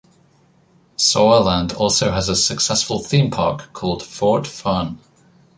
Sauerland also has a successful theme park called Fort Fun.